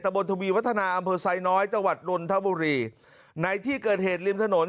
บนทวีวัฒนาอำเภอไซน้อยจังหวัดนนทบุรีในที่เกิดเหตุริมถนน